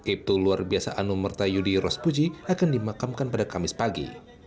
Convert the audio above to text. ibtu luar biasa anu merta yudi rospuji akan dimakamkan pada kamis pagi